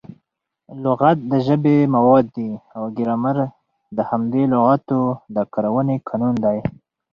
لغت د ژبي مواد دي او ګرامر د همدې لغاتو د کاروني قانون دئ.